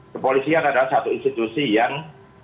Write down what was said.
kepolisian adalah satu institusi yang